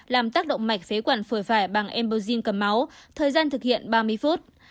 làm tắc động mạch phế quản phổi phải bằng embosin cầm máu thời gian thực hiện ba mươi phút